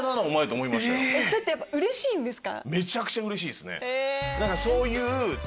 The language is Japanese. それってやっぱうれしいんですか？